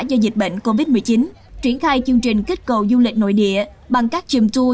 do dịch bệnh covid một mươi chín triển khai chương trình kích cầu du lịch nội địa bằng các gm tour